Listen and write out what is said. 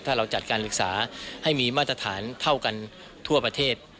ถ้าเราจัดการศึกษาให้มีมาตรฐานเท่ากันทั่วประเทศ